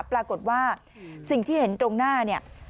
ปรากฏว่าสิ่งที่เห็นตรงหน้าเนี่ย